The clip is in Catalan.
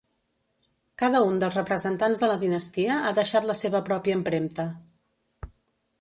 Cada un dels representants de la dinastia ha deixat la seva pròpia empremta.